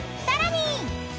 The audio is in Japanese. さらに］